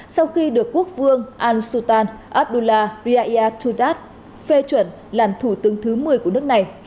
sau khi được quốc vương al sultan abdullah riyadat fe chuẩn làm thủ tướng thứ một mươi của nước này